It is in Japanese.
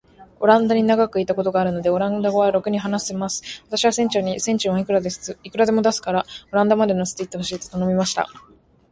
オランダに長らくいたことがあるので、オランダ語はらくに話せます。私は船長に、船賃はいくらでも出すから、オランダまで乗せて行ってほしいと頼みました。